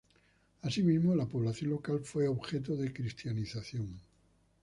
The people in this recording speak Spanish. Asimismo, la población local fue objeto de cristianización.